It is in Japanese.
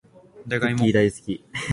じゃがいも